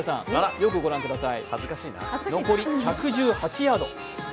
よくご覧ください。